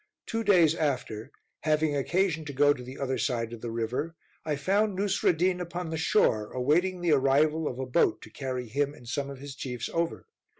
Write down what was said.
Two days after, having occasion to go to the other side of the river, I found Nousreddin upon the shore, awaiting the arrival of a boat to carry him and some of his chiefs over.